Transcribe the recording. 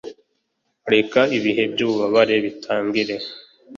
Reka ibihe byububabare bitangire